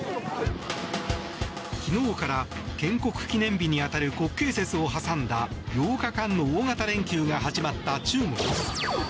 昨日から建国記念日に当たる国慶節を挟んだ８日間の大型連休が始まった中国。